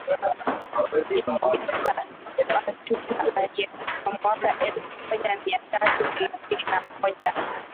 Ibn Batuta aliyefika mwaka elfu moja mia tatu thelathini na moja